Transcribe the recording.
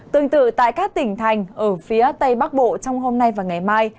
tương tự tại các tỉnh thành ở phía tây bắc bộ trong hôm nay và ngày mai